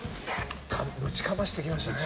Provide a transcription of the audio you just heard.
ぶちかましてきましたね。